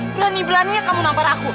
berani berani kamu nampar aku